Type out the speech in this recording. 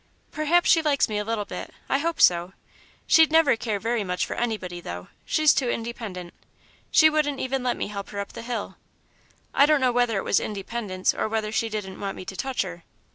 "Perhaps she likes me a little bit I hope so. She'd never care very much for anybody, though she's too independent. She wouldn't even let me help her up the hill; I don't know whether it was independence, or whether she didn't want me to touch her.